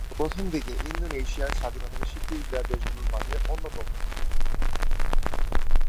Syria ছিল, প্রথমদিকে, ইন্দোনেশিয়ার স্বাধীনতাকে স্বীকৃতি দেয়া দেশগুলোর মাঝে অন্যতম।